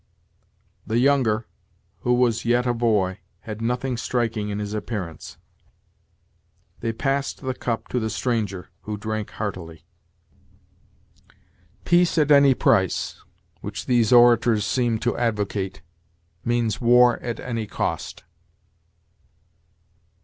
"The younger, who was yet a boy, had nothing striking in his appearance." "They passed the cup to the stranger, who drank heartily." "Peace at any price, which these orators seem to advocate, means war at any cost."